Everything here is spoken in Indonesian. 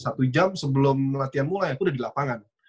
satu jam sebelum latihan mulai aku udah di lapangan